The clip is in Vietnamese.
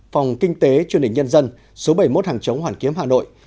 phòng kinh tế chương trình nhân dân số bảy mươi một hàng chống hoàn kiếm hà nội